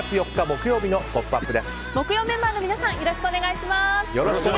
木曜メンバーの皆さんよろしくお願いします。